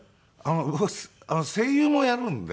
僕は声優もやるんで。